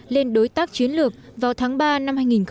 lên đối tác chiến lược vào tháng ba năm hai nghìn một mươi tám